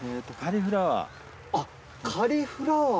あっカリフラワー。